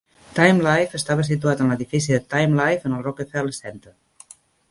Time Life estava situat en l'edifici de Time Life en el Rockefeller Center.